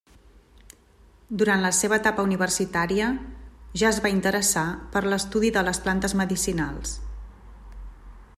Durant la seva etapa universitària ja es va interessar per l’estudi de les plantes medicinals.